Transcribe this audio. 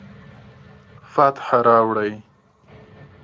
فتح راوړي